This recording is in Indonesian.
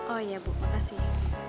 oh iya bu makasih